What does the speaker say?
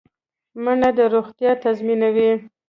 مڼه روغتیا تضمینوي